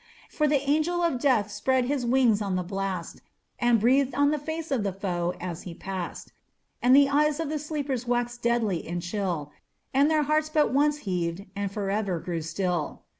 For the Angel of Death spread his wings on the blast, And breathed on the face of the foe as he passed; And the eyes of the sleepers waxed deadly and chill, And their hearts but once heaved and forever grew still!